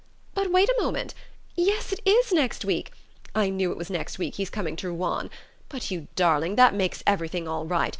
"But wait a moment yes, it is next week! I knew it was next week he's coming to Ruan! But, you darling, that makes everything all right.